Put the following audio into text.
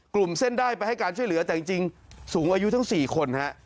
กลุ่มเส้นได้ไปให้การช่วยเหลือแต่จริงสูงอายุทั้ง๔คนฮะ